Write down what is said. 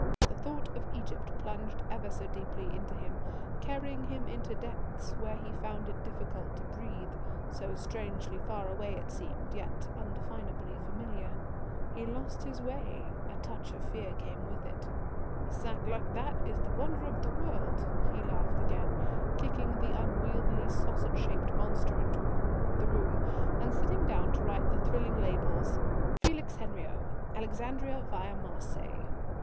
The thought of Egypt plunged ever so deeply into him, carrying him into depths where he found it difficult to breathe, so strangely far away it seemed, yet indefinably familiar. He lost his way. A touch of fear came with it. "A sack like that is the wonder of the world," he laughed again, kicking the unwieldy, sausage shaped monster into a corner of the room, and sitting down to write the thrilling labels: "Felix Henriot, Alexandria via Marseilles."